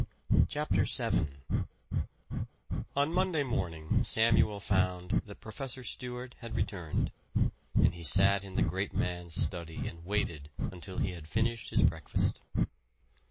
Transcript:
CHAPTER VII On Monday morning Samuel found that Professor Stewart had returned, and he sat in the great man's study and waited until he had finished his breakfast.